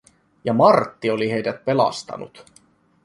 Ja Martti oli heidät pelastanut.